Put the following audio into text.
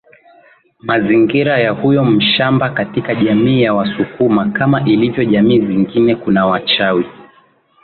mazingira ya huyo mshambaKatika jamii ya wasukuma kama ilivyo jamii zingine kuna wachawi